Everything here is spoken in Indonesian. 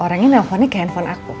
orangnya nelfonnya ke handphone aku